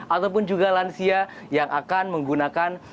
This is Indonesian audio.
ataupun juga lansia yang akan menggunakan